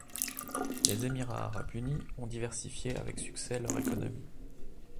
Les Émirats arabes unis ont diversifié avec succès leur économie.